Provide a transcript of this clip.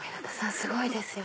すごいですよ！